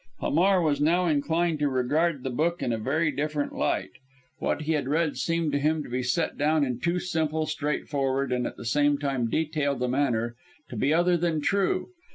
Hamar was now inclined to regard the book in a very different light. What he had read seemed to him to be set down in too simple, straightforward, and, at the same time, detailed a manner to be other than true.